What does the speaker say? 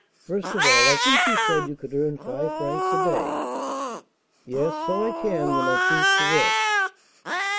First of all, I think you said you could earn five francs a day?" "Yes, so I can, when I choose to work."